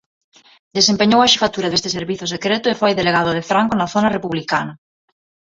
Desempeñou a xefatura deste servizo secreto e foi delegado de Franco na zona republicana.